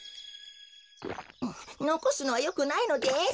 のこすのはよくないのです。